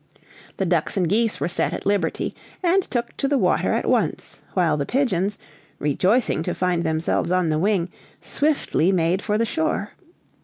The ducks and geese were set at liberty, and took to the water at once, while the pigeons, rejoicing to find themselves on the wing, swiftly made for the shore.